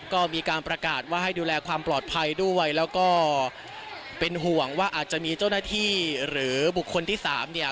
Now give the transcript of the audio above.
ก็มีการประกาศว่าให้ดูแลความปลอดภัยด้วยแล้วก็เป็นห่วงว่าอาจจะมีเจ้าหน้าที่หรือบุคคลที่สามเนี่ย